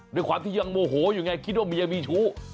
ด้วยความที่ยังโมโหอยู่ไงคิดว่าเมียมีชู้